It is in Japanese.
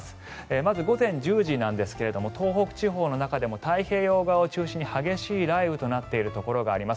まず午前１０時ですが東北地方の中でも太平洋側を中心に激しい雷雨となっているところがあります。